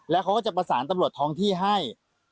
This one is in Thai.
เขาจะประสานตำรวจท้องที่ให้